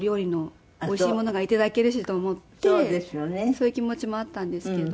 そういう気持ちもあったんですけど。